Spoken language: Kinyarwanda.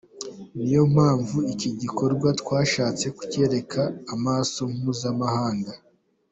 Niyo mpamvu iki gikorwa twashatse kucyereka amaso mpuzamahanga.